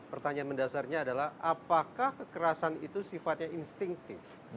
pertanyaan mendasarnya adalah apakah kekerasan itu sifatnya instinktif